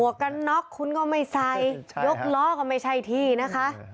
กันน็อกคุณก็ไม่ใส่ยกล้อก็ไม่ใช่ที่นะคะ